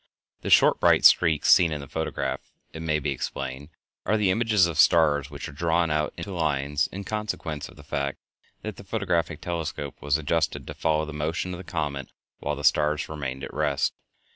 The short bright streaks seen in the photograph, it may be explained, are the images of stars which are drawn out into lines in consequence of the fact that the photographic telescope was adjusted to follow the motion of the comet while the stars remained at rest.